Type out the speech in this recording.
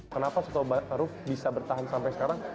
kenapa soto betawi bisa bertahan sampai sekarang